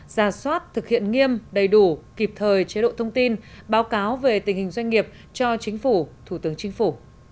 ra soát thực hiện nghiêm đầy đủ kịp thời chế độ thông tin báo cáo về tình hình doanh nghiệp cho chính phủ thủ tướng chính phủ